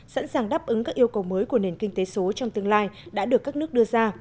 sẵn sàng đáp ứng các yêu cầu mới của nền kinh tế số trong tương lai đã được các nước đưa ra